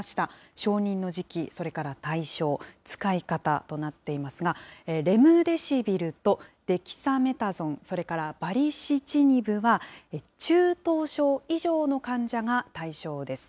承認の時期、それから対象、使い方となっていますが、レムデシビルとデキサメタゾン、それからバリシチニブは、中等症以上の患者が対象です。